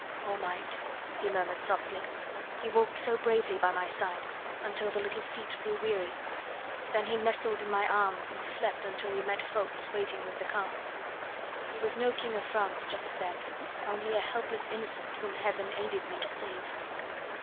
"Poor mite," he murmured softly; "he walked so bravely by my side, until the little feet grew weary; then he nestled in my arms and slept until we met Ffoulkes waiting with the cart. He was no King of France just then, only a helpless innocent whom Heaven aided me to save."